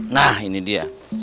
nah ini dia